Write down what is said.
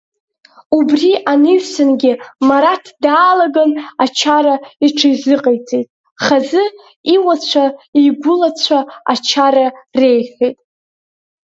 Убри анаҩсангьы Мураҭ даалаган ачара иҽазыҟаиҵеит, хазы иуацәа, игәыцхәцәа ачара реиҳәеит.